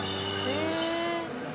へえ。